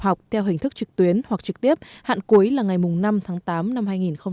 học theo hình thức trực tuyến hoặc trực tiếp hạn cuối là ngày năm tháng tám năm hai nghìn hai mươi